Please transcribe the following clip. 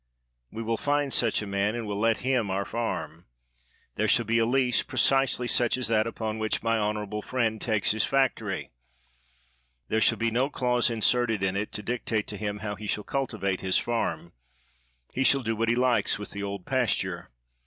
We will find such a man, and will let him our farm ; there shall be a lease precisely such as that upon which my honorable friend 163 THE WORLD'S FAMOUS ORATIONS takes his factory. There shall be no clause in serted in it to dictate to him how he shall culti vate his farm; he shall do what he likes with the old pasture.